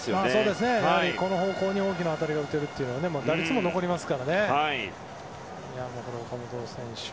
この方向に大きな当たりが打てるというのは打率も残りますからね。